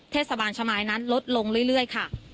เทศบาลชะมายนั้นลดลงเรื่อยค่ะ